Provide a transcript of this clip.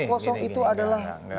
kotak kosong itu adalah